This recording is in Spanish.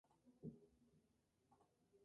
En ambos años, las apuestas favorecían a este país.